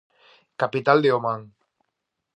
Capital de Omán.